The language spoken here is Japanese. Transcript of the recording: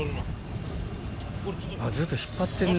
ずっと引っ張ってる。